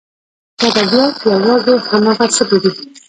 چې ادبیات یوازې همغه څه بولي.